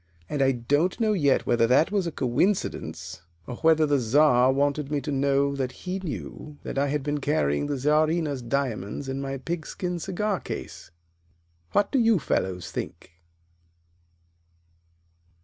And I don't know yet whether that was a coincidence, or whether the Czar wanted me to know that he knew that I had been carrying the Czarina's diamonds in my pigskin cigar case. What do you fellows think?"